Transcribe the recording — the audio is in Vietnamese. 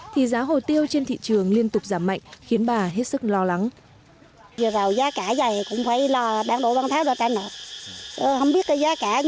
thì giá hồ tiêu trên thị trường liên tục giảm mạnh khiến bà hết sức lo lắng